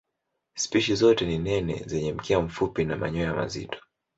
Spishi zote ni nene zenye mkia mfupi na manyoya mazito.